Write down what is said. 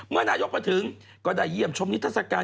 นายกมาถึงก็ได้เยี่ยมชมนิทัศกาล